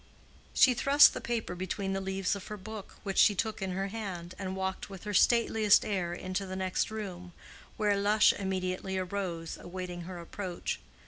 She thrust the paper between the leaves of her book, which she took in her hand, and walked with her stateliest air into the next room, where Lush immediately arose, awaiting her approach.